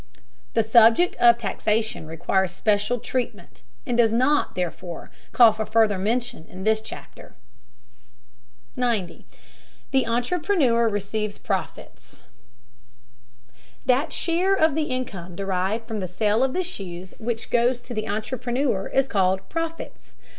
The subject of taxation requires special treatment [Footnote: See Chapter XXXII.] and does not, therefore, call for further mention in this chapter. 90. THE ENTREPRENEUR RECEIVES PROFITS. That share of the income derived from the sale of the shoes which goes to the entrepreneur is called profits.